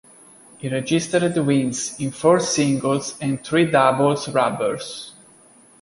He registered wins in four singles and three doubles rubbers.